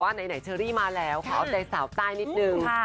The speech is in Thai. ไหนเชอรี่มาแล้วขอเอาใจสาวใต้นิดนึง